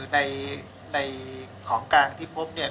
ในของกลางที่พบเนี่ย